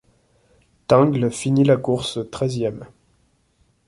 Tingle finit la course treizième.